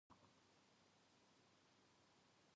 人気者。